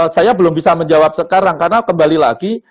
saya belum bisa menjawab sekarang karena kembali lagi